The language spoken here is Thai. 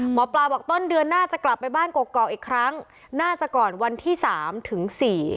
หมอปลาบอกต้นเดือนหน้าจะกลับไปบ้านกกอกอีกครั้งน่าจะก่อนวันที่สามถึงสี่